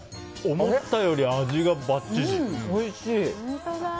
思ったより味がばっちし。